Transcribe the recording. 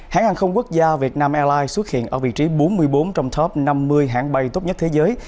hãng hàng không quốc gia việt nam airlines xuất hiện ở vị trí bốn mươi bốn trong top năm mươi hãng bay tốt nhất thế giới